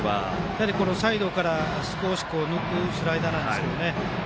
サイドから少し抜くスライダーなんですね。